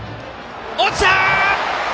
落ちた！